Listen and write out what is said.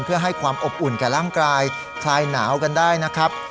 เพื่อให้ความอบอุ่นแก่ร่างกายคลายหนาวกันได้นะครับ